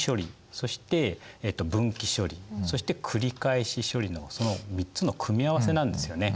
そして分岐処理そして繰り返し処理のその３つの組み合わせなんですよね。